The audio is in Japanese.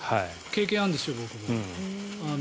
経験があるんですよ、僕も。